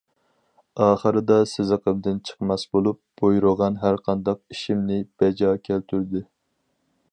.... ئاخىرىدا، سىزىقىمدىن چىقماس بولۇپ، بۇيرۇغان ھەرقانداق ئىشىمنى بەجا كەلتۈردى.